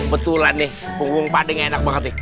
betulan nih punggung pak deh gak enak banget nih